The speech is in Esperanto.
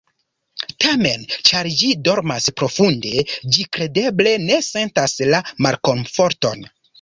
Tamen, ĉar ĝi dormas profunde, ĝi kredeble ne sentas la malkomforton.